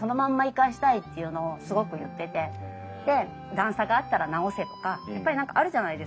段差があったら直せとかやっぱり何かあるじゃないですか。